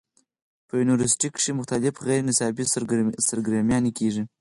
پۀ يونيورسټۍ کښې مختلف غېر نصابي سرګرميانې کيږي